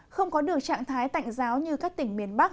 không có được trạng thái tạnh giáo như các tỉnh miền bắc